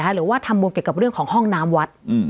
หรือว่าทำบุญเกี่ยวกับเรื่องของห้องน้ำวัด